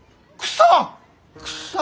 草。